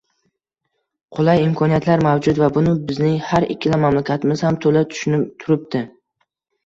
Qulay imkoniyatlar mavjud va buni bizning har ikkala mamlakatimiz ham to‘la tushunib turibdi